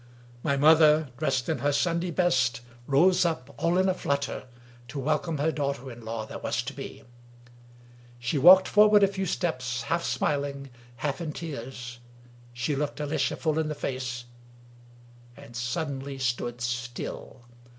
My mother, dressed in her Sunday best, rose up, all in a flutter, to welcome her daughter in law that was to be. She walked forward a few steps, half smiling, half in tears — she looked Alicia full in the face — and sud denly stood still.